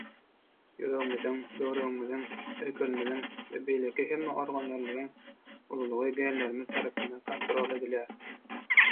Ýüregimiziň, böwregimiziň, öýkenimiziň we beýleki hemme organlarymyzyň ululygy genlerimiz tarapyndan kontrol edilýär.